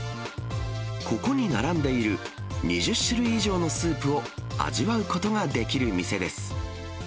ここに並んでいる２０種類以上のスープを味わうことができる店です。